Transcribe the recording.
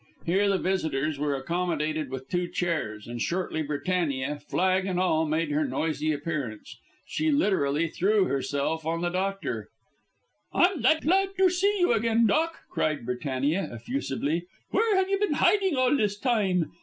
Here the visitors were accommodated with two chairs, and shortly Britannia, flag and all, made her noisy appearance. She literally threw herself on the doctor. "I'm that glad to see you again, doc," cried Britannia, effusively. "Where have you been hiding all this time?"